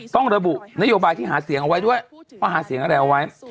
ต้องระบุนโยบายที่หาเสียงเอาไว้ด้วยว่าหาเสียงอะไรเอาไว้